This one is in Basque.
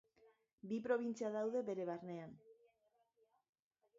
Bi probintzia daude bere barnean.